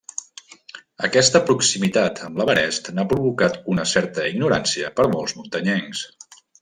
Aquesta proximitat amb l'Everest n'ha provocat una certa ignorància per molts muntanyencs.